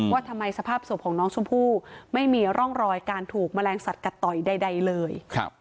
ว่าทำไมสภาพศพของน้องชมพู่ไม่มีร่องรอยการถูกแมลงสัตวกัดต่อยใดเลย